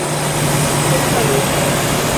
接着萝伦就听珍的建议试穿了一件黑色礼服。